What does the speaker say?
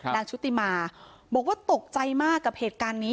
ชุติมาบอกว่าตกใจมากกับเหตุการณ์นี้